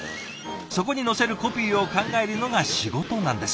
そこに載せるコピーを考えるのが仕事なんです。